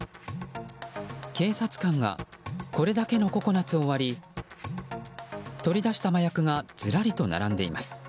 警察官がこれだけのココナツを割り取り出した麻薬がずらりと並んでいます。